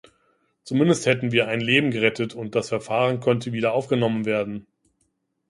Zumindest hätten wir ein Leben gerettet, und das Verfahren könnte wieder aufgenommen werden.